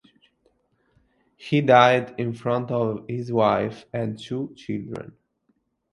He died in front of his wife and two children.